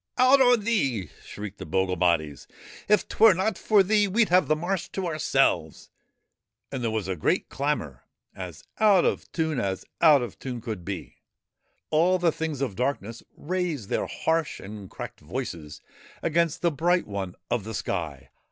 Out on thee I ' shrieked the bogle bodies ;' if 'twere not for thee we 'd have the marsh to ourselves.' And there was a great clamour as out of tune as out of tune could be. All the things of darkness raised their harsh and cracked voices against the Bright One of the sky.